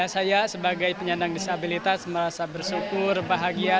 saya sebagai penyandang disabilitas merasa bersyukur bahagia